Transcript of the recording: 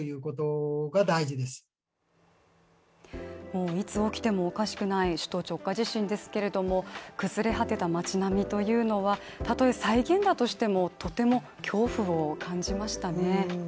もういつ起きてもおかしくない首都直下地震ですけれども、崩れ果てた街並みというのは、たとえ再現だとしてもとても恐怖を感じましたね